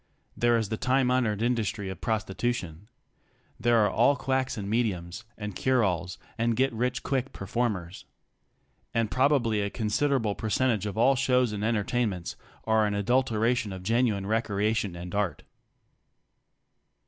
There is the time honored industry of prostitution. There are all quacks and mediums, and cure alls, and get rich quick performers. And probably a considerable percentage of all shows and entertainments are an adulteration of genuine recreation and art.